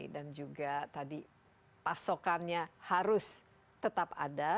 dan juga tadi pasokannya harus tetap ada